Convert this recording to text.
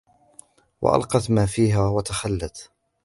وَأَلْقَتْ مَا فِيهَا وَتَخَلَّتْ